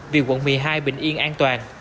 vì quận một mươi hai bình yên an toàn